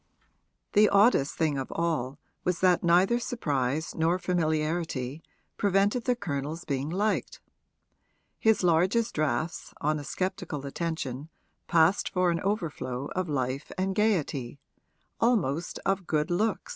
The oddest thing of all was that neither surprise nor familiarity prevented the Colonel's being liked; his largest drafts on a sceptical attention passed for an overflow of life and gaiety almost of good looks.